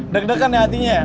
deg degan ya hatinya